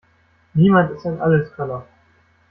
Niemand ist ein Alleskönner.